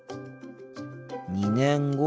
２年後。